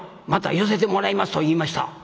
また寄せてもらいますと言いました」。